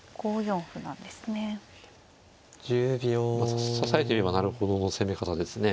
指されてみればなるほどの攻め方ですね。